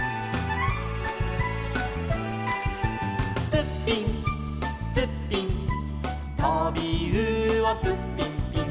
「ツッピンツッピン」「とびうおツッピンピン」